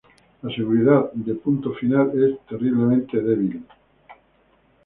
la seguridad de punto final es terriblemente débil